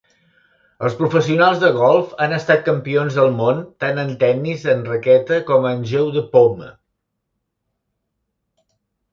Els professionals de golf han estat campions del món tant en tennis en raqueta com en el "jeu de paume".